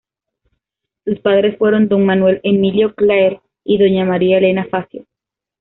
Sus padres fueron don Manuel Emilio Clare y doña María Elena Facio.